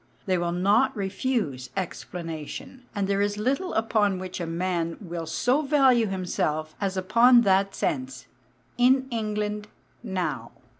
They will not refuse explanation. And there is little upon which a man will so value himself as upon that sense, "in England, now."